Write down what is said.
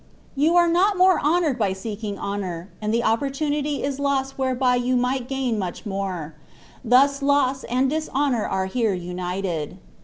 * You are not more honoured by seeking honour, and the opportunity is lost whereby you might gain much more; thus loss and dishonour are here united.